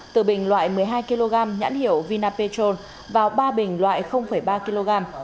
từ bình loại một mươi hai kg nhãn hiệu vinapetro vào ba bình loại ba kg